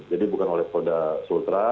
jadi bukan oleh polda sultra